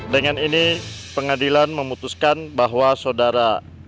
dengan ini pengadilan memutuskan bahwa saudara